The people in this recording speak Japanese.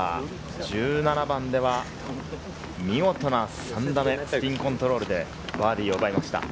１７番では見事な３打目、スピンコントロールでバーディーを奪いました。